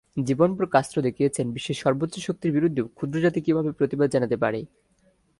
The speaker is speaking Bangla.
জীবনভর কাস্ত্রো দেখিয়েছেন, বিশ্বের সর্বোচ্চ শক্তির বিরুদ্ধেও ক্ষুদ্র জাতি কীভাবে প্রতিবাদ জানাতে পারে।